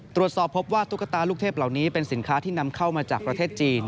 ตรวจสอบพบว่าตุ๊กตาลูกเทพเหล่านี้เป็นสินค้าที่นำเข้ามาจากประเทศจีน